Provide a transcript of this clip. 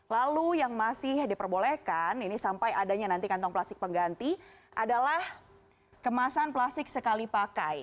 lalu yang masih diperbolehkan ini sampai adanya nanti kantong plastik pengganti adalah kemasan plastik sekali pakai